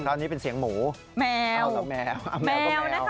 ตอนนี้เป็นเสียงหมูแมวเอ้าล่ะแมว